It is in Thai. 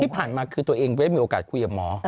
ที่ผ่านมาคือตัวเองได้มีโอกาสคุยกับหมอ